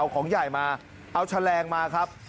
ของใหญ่มาเอาแชร์น่ะครับ